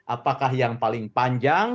apakah yang paling panjang